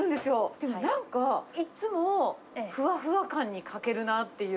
でもなんか、いつもなんかふわふわ感に欠けるなっていう。